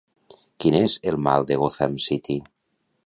Quin és el mal de Gotham City?